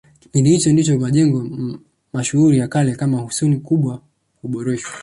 Kipindi hicho ndicho majengo mashuhuri ya kale kama Husuni Kubwa kuboreshwa